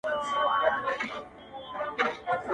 اسمان ته مي خاته ناسوني نه دی,